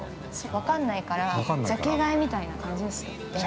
◆分かんないから、ジャケ買いみたいな感じですよ。